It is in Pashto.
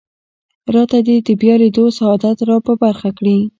راته دې د بیا لیدو سعادت را په برخه کړي.